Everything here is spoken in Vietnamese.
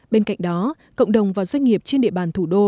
bên cạnh đó cộng đồng và doanh nghiệp trên địa bàn thủ đô